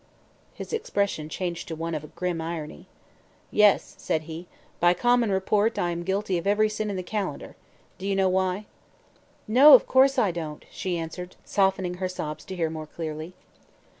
His expression changed to one of grim irony. "Yes," said he, "by common report I am guilty of every sin in the calendar. Do you know why?" "No; of course I don't!" she answered, softening her sobs to hear more clearly.